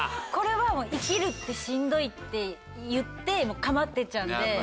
これはもう「生きるってしんどい」って言ってかまってちゃんで。